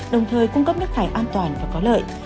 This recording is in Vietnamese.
đồng thời cung cấp nước thải an toàn và có lợi